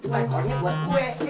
makanya putai kolnya buat gue